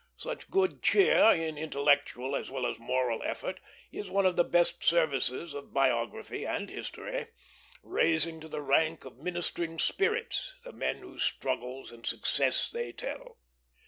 Such good cheer in intellectual as well as moral effort is one of the best services of biography and history, raising to the rank of ministering spirits the men whose struggles and success they tell.